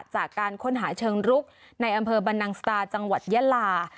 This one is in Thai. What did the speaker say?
จากการค้นหาเชิงรุกในอำเภอบรรนังสตาจังหวัดยาลา